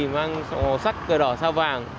mang màu sắc cờ đỏ sao vàng